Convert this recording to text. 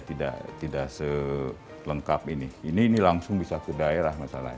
tidak tidak selengkap ini ini langsung bisa ke daerah masalahnya